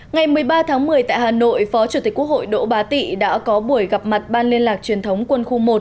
ngày một mươi ba tháng một mươi tại hà nội phó chủ tịch quốc hội đỗ bá tị đã có buổi gặp mặt ban liên lạc truyền thống quân khu một